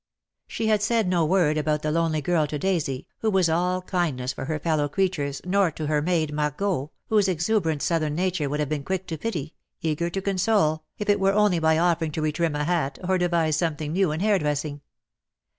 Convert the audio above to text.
She had said no word about the lonely girl to Daisy, who was all kindness for her fellow crea tures, nor to her maid, Margot, whose exuberant Southern nature would have been quick to pity, eager to console, if it were only by offering to retrim a hat, or devise something new in hair dressing.